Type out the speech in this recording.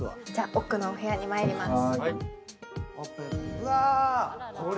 奥のお部屋にまいります。